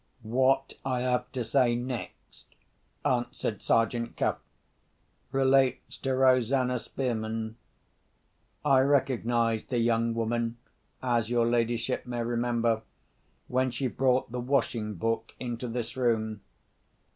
"What I have to say next," answered Sergeant Cuff, "relates to Rosanna Spearman. I recognised the young woman, as your ladyship may remember, when she brought the washing book into this room.